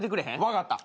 分かった。